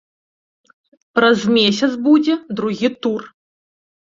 Праз месяц будзе другі тур.